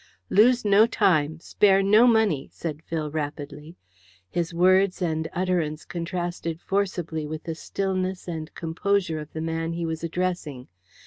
"Lose no time. Spare no money," said Phil rapidly. His words and utterance contrasted forcibly with the stillness and composure of the man he was addressing.